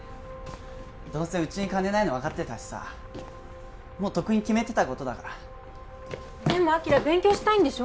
どうせうちに金ないの分かってたしさもうとっくに決めてたことだからでも輝勉強したいんでしょ？